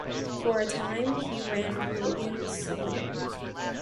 For a time he ran Vogan's Saloon.